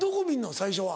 最初は。